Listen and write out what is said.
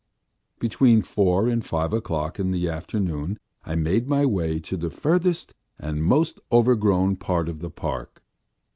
Between four and five o'clock in the afternoon I made my way to the furthest and most overgrown part of the park.